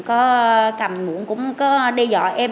có cầm muỗng cũng có đe dọa em